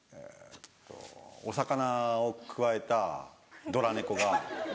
お魚をくわえたドラ猫が。